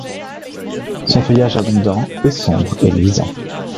Son feuillage abondant est sombre et luisant.